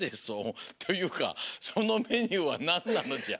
というかそのメニューはなんなのじゃ？